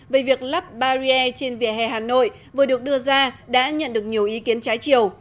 về việc lắp barrier trên vỉa hè hà nội vừa được đưa ra đã nhận được nhiều ý kiến trái chiều